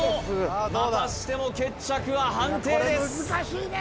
またしても決着は判定です